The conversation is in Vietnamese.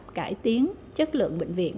để cải tiến chất lượng bệnh viện